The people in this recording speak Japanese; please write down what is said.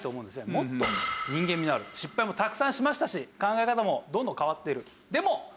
もっと人間味のある失敗もたくさんしましたし考え方もどんどん変わっていると。